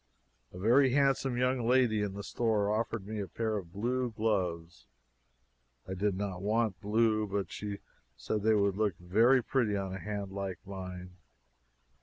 A very handsome young lady in the store offered me a pair of blue gloves. I did not want blue, but she said they would look very pretty on a hand like mine.